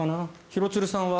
廣津留さんは？